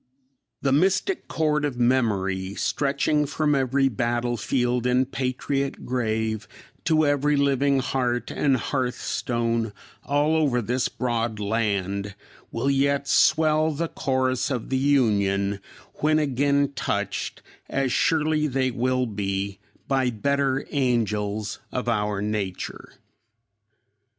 ] "The mystic chord of memory, stretching from every battlefield and patriot grave to every living heart and hearthstone all over this broad land, will yet swell the chorus of the Union, when again touched, as surely they will be, by better angels of our nature."